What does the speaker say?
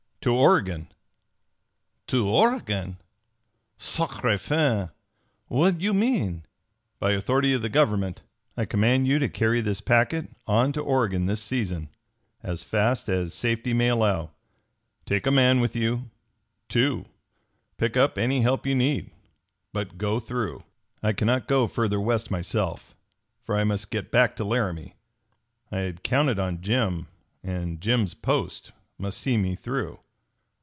"To Oregon!" "To Oregon? Sacre 'Fan!' What you mean?" "By authority of the Government, I command you to carry this packet on to Oregon this season, as fast as safety may allow. Take a man with you two; pick up any help you need. But go through. "I cannot go further west myself, for I must get back to Laramie. I had counted on Jim, and Jim's post must see me through.